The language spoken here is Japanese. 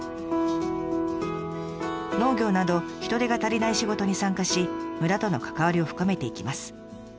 農業など人手が足りない仕事に参加し村との関わりを深めていきます。